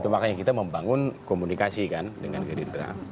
makanya kita membangun komunikasi kan dengan gerindra